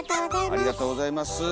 ありがとうございます。